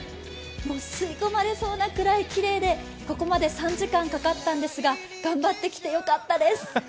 吸い込まれそうなくらいきれいで、ここまで３時間かかったんですが、頑張ってきてよかったです。